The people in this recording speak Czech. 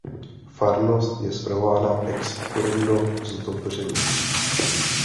Farnost je spravována ex currendo z Dobřenic.